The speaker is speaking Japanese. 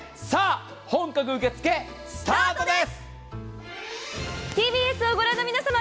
本格受付スタートです。